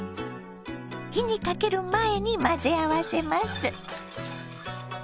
火にかける前に混ぜ合わせます。